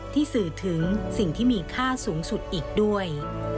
ที่สื่อถึงสิ่งที่มีค่าสูงสุดอีกด้วย